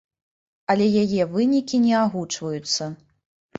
Але яе вынікі не агучваюцца.